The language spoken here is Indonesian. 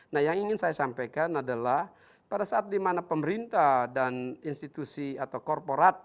nah yang ingin saya sampaikan adalah pada saat di mana pemerintah dan institusi atau korporat